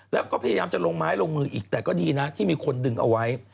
แล้วก็พยายามจะลงไม้ลงมืออีกแต่ก็ดีนะที่มีคนดึงเอาไว้